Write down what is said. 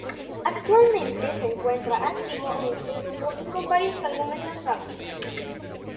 Actualmente se encuentra activo en este grupo y con varios álbumes lanzados.